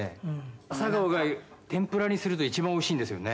「アサガオが天ぷらにすると一番おいしいんですよね」